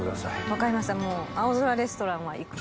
分かりました。